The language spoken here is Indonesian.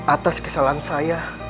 atas kesalahan saya